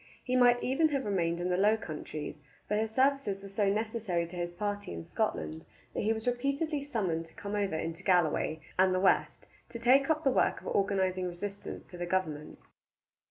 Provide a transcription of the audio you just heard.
He might even have remained in the Low Countries, but his services were so necessary to his party in Scotland that he was repeatedly summoned to come over into Galloway and the west to take up the work of organizing resistance to the government.